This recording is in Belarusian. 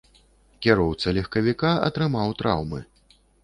Кіроўца легкавіка атрымаў траўмы.